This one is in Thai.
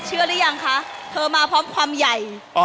หรือยังคะเธอมาพร้อมความใหญ่